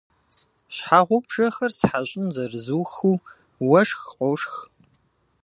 Щхьэгъубжэхэр стхьэщӏын зэрызухыу, уэшх къошх.